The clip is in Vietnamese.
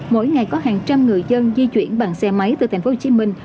mỗi ngày có hàng trăm người dân di chuyển bằng xe máy từ thành phố hồ chí minh